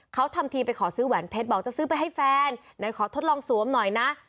เขาทำทีไปขอซื้อแหวนเพชรบอกจะซื้อไปให้แฟนไหนขอทดลองสวมหน่อยนะ